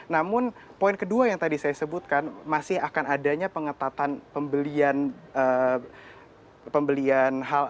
namun poin kedua yang tadi saya sebutkan masih akan adanya pengetatan pembelian